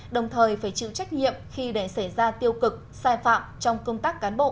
đồng thời phải chịu trách nhiệm khi để xảy ra tiêu cực sai phạm trong công tác cán bộ